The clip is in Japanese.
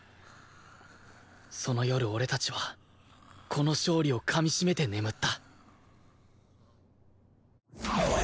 その夜俺たちはこの勝利をかみしめて眠った